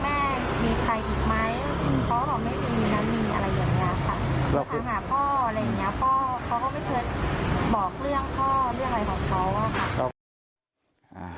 พ่อเขาก็ไม่เคยบอกเรื่องพ่อเรื่องอะไรของพ่อว่า